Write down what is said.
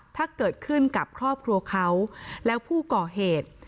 ถ้าเกิดขึ้นกับครอบครัวเขาแล้วผู้ก่อเหตุ